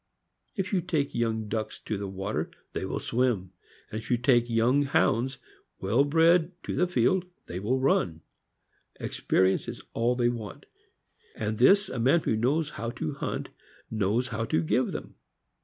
If you take young ducks to the water, they will swim; and if you take young hounds, well bred, to the field, they will run. Experience is all they want; and this a man who knows how to hunt knows how to give them.